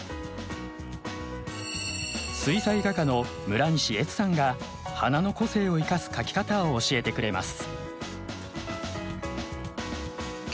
水彩画家の村西恵津さんが花の個性を生かす描き方を教えてくれます。